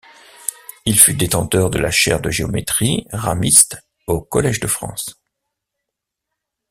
Il fut détenteur de la chaire de géométrie ramiste au Collège de France.